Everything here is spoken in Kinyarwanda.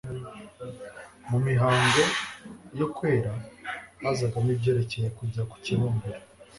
Mu mihango yo kwera hazagamo ibyerekeye kujya ku kibumbiro,